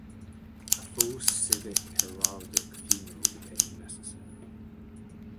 A full civic heraldic funeral became necessary.